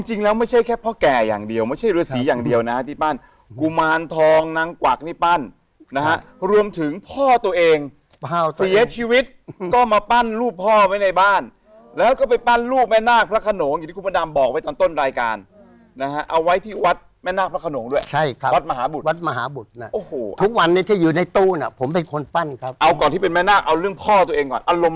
จริงแล้วไม่ใช่แค่พ่อแก่อย่างเดียวไม่ใช่ฤษีอย่างเดียวนะที่ปั้นกุมารทองนางกวักนี่ปั้นนะฮะรวมถึงพ่อตัวเองพ่อตัวเองเสียชีวิตก็มาปั้นรูปพ่อไว้ในบ้านแล้วก็ไปปั้นรูปแม่นาคพระขนงอย่างที่คุณพระนามบอกไว้ตอนต้น